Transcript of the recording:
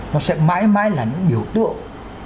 nó sẽ mãi mãi là những biểu tượng